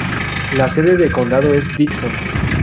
La sede de condado es Dixon.